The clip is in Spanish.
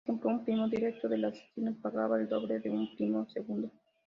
Por ejemplo, un primo directo del asesino pagaba el doble que un primo segundo.